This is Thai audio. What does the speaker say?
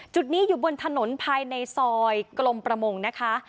จุดนี้อยู่บนถนนภายในซอยกลมประมงนะคะ